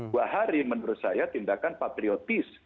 dua hari menurut saya tindakan patriotis